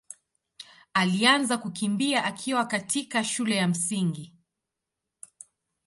alianza kukimbia akiwa katika shule ya Msingi.